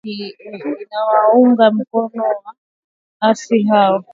Jeshi la Jamhuri ya kidemokrasia ya Kongo limedai kwamba Rwanda inawaunga mkono waasi hao.